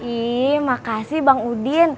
ih makasih bang odin